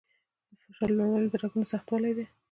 د فشار لوړوالی د رګونو سختوالي دی.